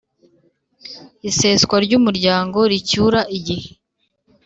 Iseswa ry umuryango ricyura igihe